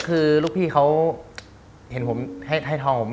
คือลูกพี่เขาเห็นผมให้ทองผม